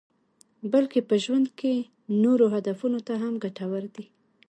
بلکې په ژوند کې نورو هدفونو ته هم ګټور دي.